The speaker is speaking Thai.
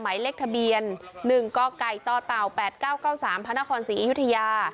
ไหมเล็กทะเบียนหนึ่งก้อกไก่ต่อเต่าแปดเก้าเก้าสามพระนครศรีเอยุทิยา